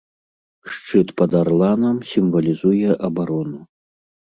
Шчыт пад арланам сімвалізуе абарону.